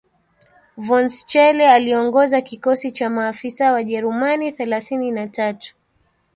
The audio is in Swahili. von Schele aliongoza kikosi cha maafisa Wajerumani thelathini na tatu